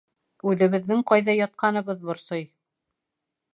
Үҙебеҙҙең ҡайҙа ятҡаныбыҙ борсой.